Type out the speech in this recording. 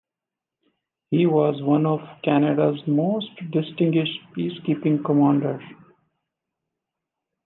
He was one of Canada's most distinguished peacekeeping commanders.